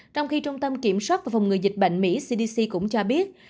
trong khi trung tâm kiểm soát và phòng ngừa dịch bệnh mỹ cdc cũng cho biết